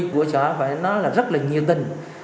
của xã phải nói là rất là nhiều tình